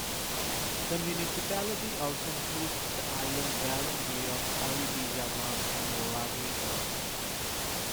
The municipality also includes the island barangay of Alibijaban in Ragay Gulf.